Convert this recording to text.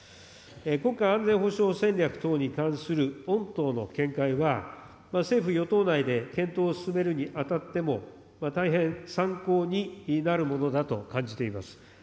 国家安全保障戦略等に関する御党の見解は、政府・与党内で検討するにあたっても大変参考になるものだと感じています。